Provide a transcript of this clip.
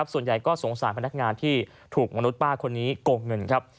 ส่วนใหญ่ก็สงสารพนักงานที่ถูกมนุษย์ป้าคนนี้โกงเงินครับ